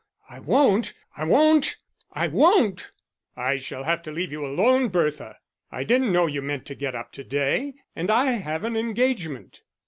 "I won't, I won't, I won't." "I shall have to leave you alone, Bertha. I didn't know you meant to get up to day, and I have an engagement."